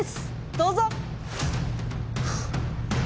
どうぞ！